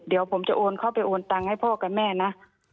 เดี๋ยวผมจะโอนเข้าไปโอนตังค์ให้พ่อกับแม่นะ